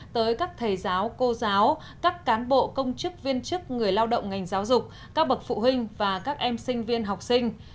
tới các thầy giáo cô giáo các cán bộ công chức viên chức người lao động ngành giáo dục các bậc phụ huynh và các em sinh viên học sinh